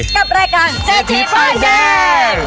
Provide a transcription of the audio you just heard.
กับรายการสิทธิปล่อยแซม